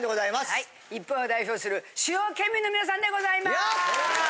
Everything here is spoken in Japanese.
はい日本を代表する主要県民の皆さんでございます。